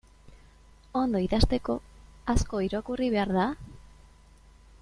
Ondo idazteko, asko irakurri behar da?